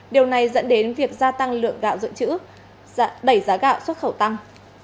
điều này dẫn đến việc gia tăng lượng gạo dự trữ đẩy giá gạo xuất khẩu tăng